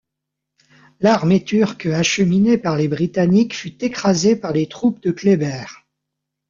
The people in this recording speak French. L'armée turque acheminée par les Britanniques fut écrasée par les troupes de Kléber.